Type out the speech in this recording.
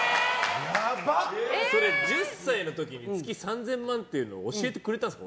それ１０歳の時に月３０００万っていのは教えてくれたんですか？